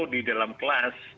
di dalam kelas